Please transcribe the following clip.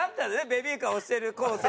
ベビーカー押してる昴生。